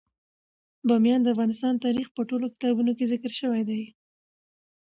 بامیان د افغان تاریخ په ټولو کتابونو کې ذکر شوی دی.